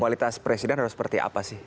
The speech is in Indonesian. kualitas presiden harus seperti apa sih